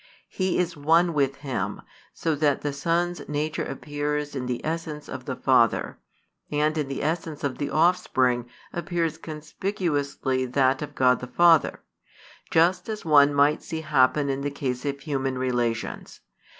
He is One with Him, so that the Son's nature appears in the essence of the Father, and in the essence of the Offspring appears conspicuously that of God the Father; just as one might see happen in the case of human relations.